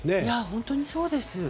本当にそうです。